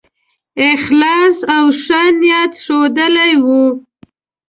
اخلاص او ښه نیت ښودلی وو.